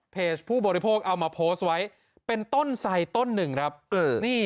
ผู้บริโภคเอามาโพสต์ไว้เป็นต้นไสต้นหนึ่งครับเออนี่